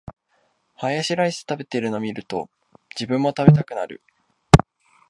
ハヤシライス食べてるの見ると、自分も食べたくなる